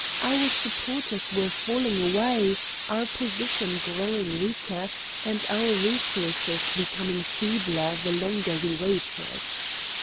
Our supporters were falling away, our position growing weaker, and our resources becoming feebler the longer we waited.